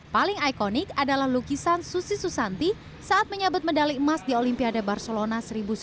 paling ikonik adalah lukisan susi susanti saat menyabut medali emas di olimpiade barcelona seribu sembilan ratus sembilan puluh